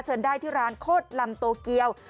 เชิญได้ที่ร้านโคตรลำโตเกียว